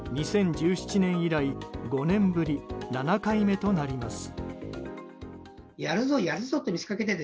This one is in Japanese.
２０１７年以来５年ぶり７回目となります。